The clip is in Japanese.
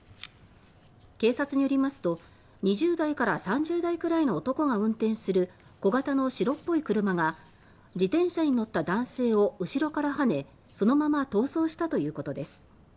警察によりますと２０代から３０代くらいの男が運転する小型の白っぽい車が自転車に乗った男性を後ろからはねそのまま逃走したということです。